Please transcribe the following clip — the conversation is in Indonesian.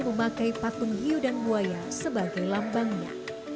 memakai patung hiu dan buaya sebagai lambangnya